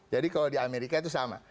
jadi kalau di amerika itu sama